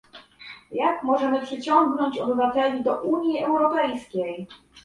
Jak możemy przyciągnąć obywateli do Unii Europejskiej?